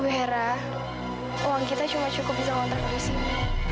wera uang kita cuma cukup bisa lontar ke sini